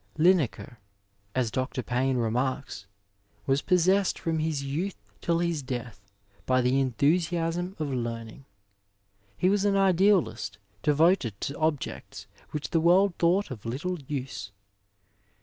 linacre, as Dr. Payne remarks, '' was pos sessed from his youth till his death by the enthusiasm of learning. He was an idealist devoted to objects which the world thought of little use.''